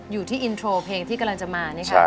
อยู่ที่อินโทรเพลงที่กำลังจะมานะครับ